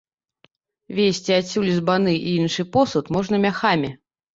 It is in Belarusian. Везці адсюль збаны і іншы посуд можна мяхамі.